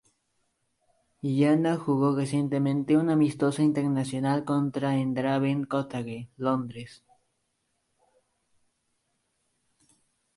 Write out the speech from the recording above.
Ghana jugó recientemente un amistoso internacional contra en Craven Cottage, Londres.